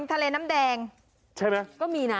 ปริงทะเลน้ำแดง